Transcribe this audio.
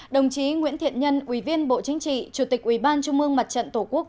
đồng chí nguyễn thiện nhân ủy viên bộ chính trị chủ tịch ủy ban trung mương mặt trận tổ quốc